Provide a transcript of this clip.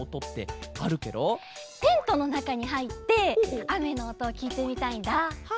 テントのなかにはいってあめのおとをきいてみたいんだ。